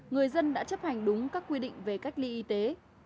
người dân đã chấp hành đúng các quy định về cách ly y tế